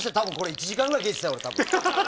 １時間くらい聞いてたよ。